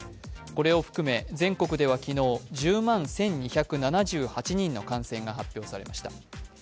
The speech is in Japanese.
これを含め全国では昨日、１０万１２７８人の感染が発表されました。